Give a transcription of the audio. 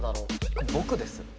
これ僕です。